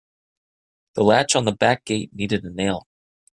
The latch on the back gate needed a nail.